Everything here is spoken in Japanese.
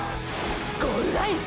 ゴールライン！！